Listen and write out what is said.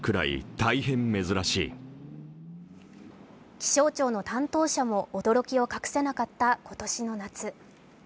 気象庁の担当者も驚きを隠せなかった今年の夏。